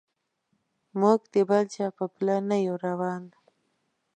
موږ د بل چا په پله نه یو روان.